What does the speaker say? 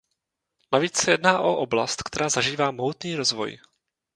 Navíc se jedná o oblast, která zažívá mohutný rozvoj.